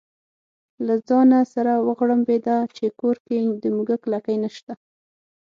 له ځانه سره وغړمبېده چې کور کې د موږک لکۍ نشته.